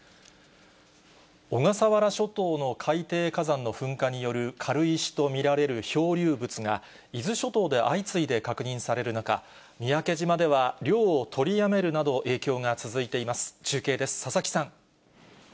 小笠原諸島の海底火山の噴火による軽石と見られる漂流物が、伊豆諸島で相次いで確認される中、三宅島では漁を取りやめるなど、影響が続いています。